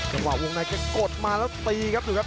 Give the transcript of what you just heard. สังหวะวงในก็กดมาแล้วตีครับ